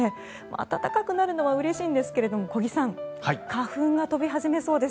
暖かくなるのはうれしいんですが小木さん花粉が飛び始めそうです。